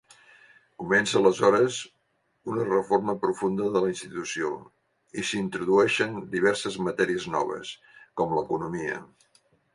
Comença aleshores una reforma profunda de la institució, i s'introdueixen diverses matèries noves, com l'economia.